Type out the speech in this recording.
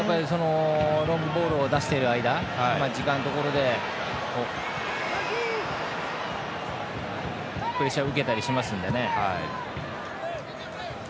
ロングボールだと出している間に時間のところでプレッシャー受けたりしますので。